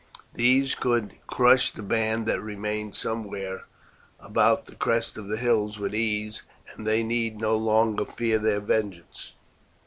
These could crush the band that remained somewhere about the crest of the hills with ease, and they need no longer fear their vengeance.